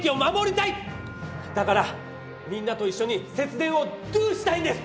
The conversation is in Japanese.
だからみんなと一緒に節電をドゥしたいんです！